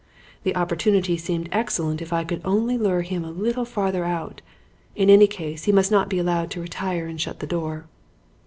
The opportunity seemed excellent if I could only lure him a little farther out. In any case, he must not be allowed to retire and shut the door.